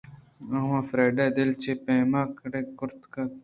آواں فریڈا ءِ دل چے پیم کڑک کرتگ اَت